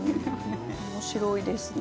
おもしろいですね。